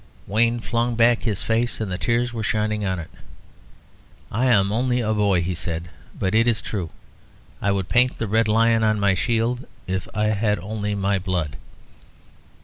Wayne flung back his face, and the tears were shining on it. "I am only a boy," he said, "but it's true. I would paint the Red Lion on my shield if I had only my blood."